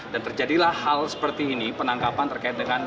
dan terjadilah hal seperti ini penangkapan terkait dengan